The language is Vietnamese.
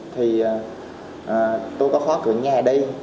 thì tôi có khó cử nhà đi